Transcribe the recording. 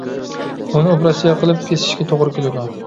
ئۇنى ئوپېراتسىيە قىلىپ كېسىشكە توغرا كېلىدۇ.